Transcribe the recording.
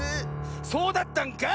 そうだったんかい！